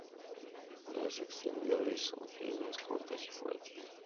Las extremidades son finas, cortas y fuertes.